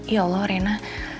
ya allah rena